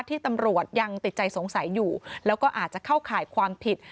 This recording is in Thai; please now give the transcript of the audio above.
ที่ตำรวจยังติดใจสงสัยอยู่แล้วก็อาจจะเข้าข่ายความผิด